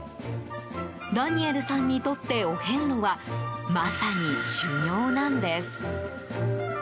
ダニエルさんにとってお遍路は、まさに修行なんです。